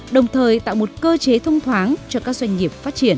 đồng thời tạo một cơ chế thông thoáng cho các doanh nghiệp phát triển